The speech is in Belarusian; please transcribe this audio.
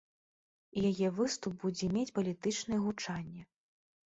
І яе выступ будзе мець палітычнае гучанне.